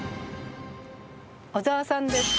小沢さんです。